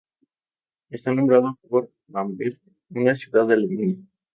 Está nombrado por Bamberg, una ciudad de Alemania.